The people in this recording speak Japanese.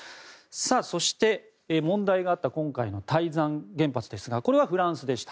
そして問題があった今回の台山原発ですがこれはフランスでした。